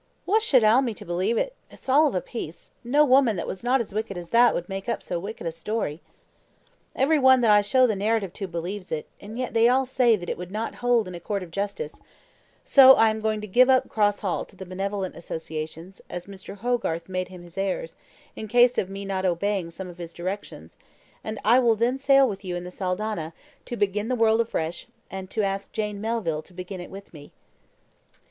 "What should ail me to believe it? It's all of a piece; no woman that was not as wicked as that would make up so wicked a story." "Every one that I show the narrative to believes it, yet they all say that it would not hold in a court of justice; so I am going to give up Cross Hall to the benevolent associations, as Mr Hogarth made them his heirs, in case of my not obeying some of his directions, and I will then sail with you in the Saldanha, to begin the world afresh, and to ask Jane Melville to begin it with me."